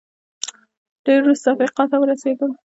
ډېر وروسته افریقا ته ورسېدل